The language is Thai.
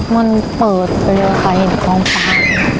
มันเปิดไปเลยค่ะเห็นท้องฟ้า